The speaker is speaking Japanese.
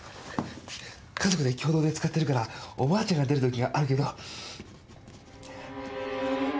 家族で共同で使ってるからお婆ちゃんが出る時があるけど。